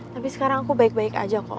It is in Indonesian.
tapi sekarang aku baik baik aja kok